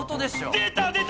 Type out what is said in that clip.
出た出た！